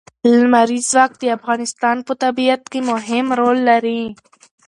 لمریز ځواک د افغانستان په طبیعت کې مهم رول لري.